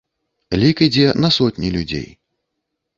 Лік ідзе на сотні людзей.